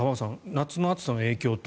夏の暑さの影響と